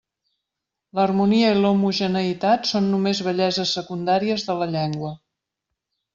L'harmonia i l'homogeneïtat són només belleses secundàries de la llengua.